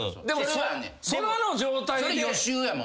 でも空の状態で。